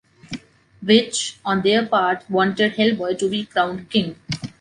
Witch, on their part, wanted Hellboy to be crowned king.